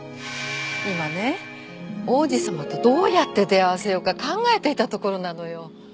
今ね王子様とどうやって出会わせようか考えていたところなのよ。